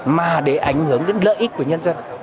mà để ảnh hưởng đến lợi ích của nhân dân